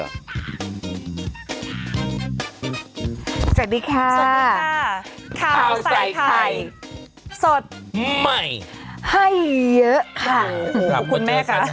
สวัสดีค่ะสวัสดีค่ะข้าวใส่ไข่สดใหม่ให้เยอะค่ะโอ้โหคุณแม่ค่ะ